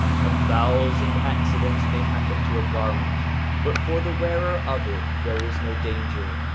A thousand accidents may happen to a garment, but for the wearer of it there is no danger.